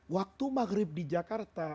waktu maghrib di jakarta